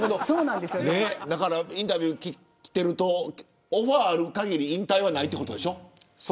インタビューを聞いているとオファーがある限り引退はないということでしょ。